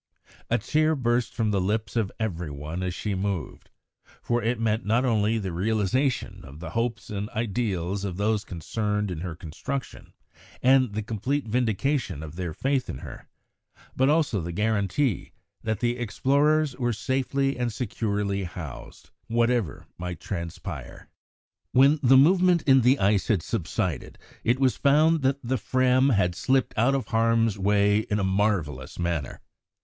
A cheer burst from the lips of every one as she moved, for it meant not only the realisation of the hopes and ideals of those concerned in her construction and the complete vindication of their faith in her, but also the guarantee that the explorers were safely and securely housed, whatever might transpire. When the movement in the ice had subsided, it was found that the Fram had slipped out of harm's way in a marvellous manner.